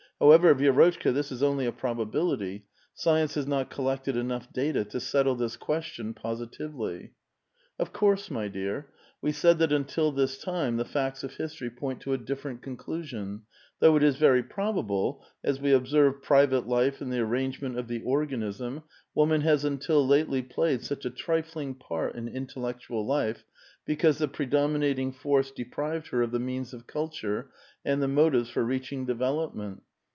However, Vi^rotchka, this is only a probability ; science has not collected enough data to settle this question positively." '* Of course, mv dear. We said that until this time the facts of history point to a different conclusion, though it is very probable, as we observe private life and the arrange ment of the organism, woman has until lately played such a trifling part in intellectual life, because the predominating force deprived her of tlie means of culture and the motives for reaching development.